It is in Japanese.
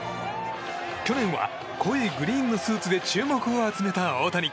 去年は濃いグリーンのスーツで注目を集めた大谷。